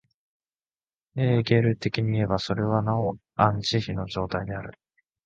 ヘーゲル的にいえば、それはなおアン・ジヒの状態である。